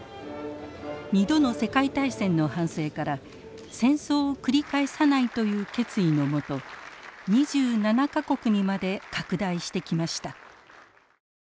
２度の世界大戦の反省から戦争を繰り返さないという決意の下２７か国にまで拡大してきました。